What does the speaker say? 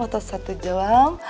atau satu jam